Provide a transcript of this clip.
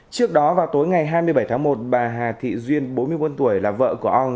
trước đó vào tối ngày hai mươi bảy tháng một bà hà thị duyên bốn mươi bốn tuổi là vợ của ong